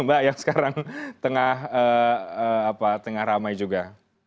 mbak yang sekarang tengah ramai juga